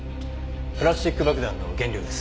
プラスチック爆弾の原料です。